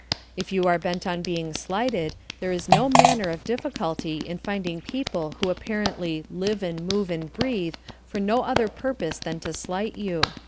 If you are bent on being slighted there is no manner of difficulty in finding people who apparently "live and move and breathe" for no other purpose than to slight you.